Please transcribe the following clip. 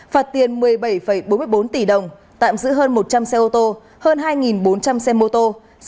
phạt tiền một mươi bảy bốn mươi bốn tỷ đồng tạm giữ hơn một trăm linh xe ô tô hơn hai bốn trăm linh xe mô tô